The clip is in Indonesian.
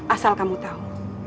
asal kamu tahu